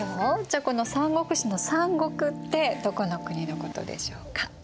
じゃあこの「三国志」の「三国」ってどこの国のことでしょうか？